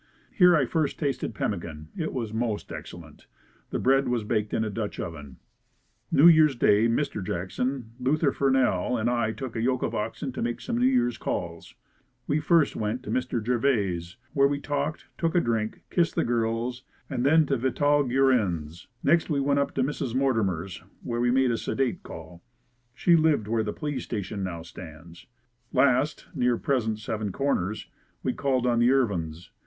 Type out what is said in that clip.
Here I first tasted pemmican. It was most excellent. The bread was baked in a Dutch oven. New Year's Day, Mr. Jackson, Luther Furnell and I took a yoke of oxen to make some New Years calls. We first went to Mr. Gervais' where we talked, took a drink, kissed the girls and then to Vital Guerin's. Next we went up to Mrs. Mortimer's where we made a sedate call. She lived where the police station now stands. Last, near present Seven Corners, we called on the Irvine's.